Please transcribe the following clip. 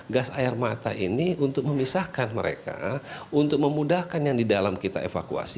gas air mata ini untuk memisahkan mereka untuk memudahkan yang di dalam kita evakuasi